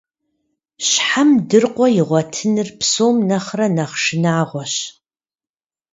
Щхьэм дыркъуэ игъуэтыныр псом нэхърэ нэхъ шынагъуэщ.